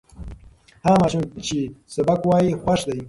هغه ماشوم چې سبق وایي، خوښ دی.